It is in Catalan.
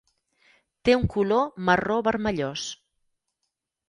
Té un color marró vermellós.